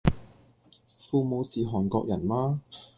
父母是韓國人嗎？